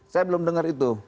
saya belum dengar itu